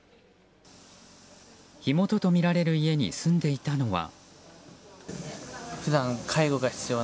火元とみられる家に住んでいたのは。